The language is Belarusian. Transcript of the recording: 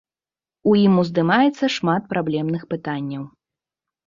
У ім уздымаецца шмат праблемных пытанняў.